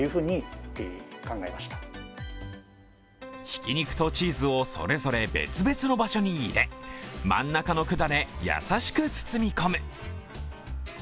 ひき肉とチーズをそれぞれ別々の場所に入れ、真ん中の管で優しく包み込む。